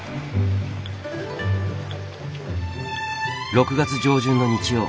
６月上旬の日曜。